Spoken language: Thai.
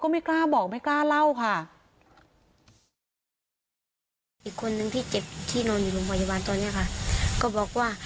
มีคนหนึ่งที่เจ็บที่นอนอยู่บนพยาบาลตอนเนี้ยค่ะก็บอกว่า